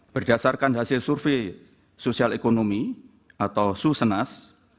berdasarkan hasil survei sosial ekonomi atau susenas